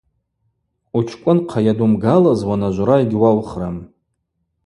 Учкӏвынхъа йадуымгалыз уанажвра йгьуаухрым.